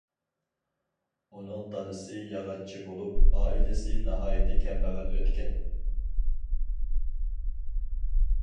ئۇنىڭ دادىسى ياغاچچى بولۇپ، ئائىلىسى ناھايىتى كەمبەغەل ئۆتكەن.